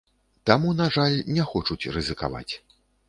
Таму, на жаль, не хочуць рызыкаваць.